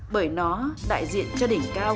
bởi nó đại diện cho đỉnh cao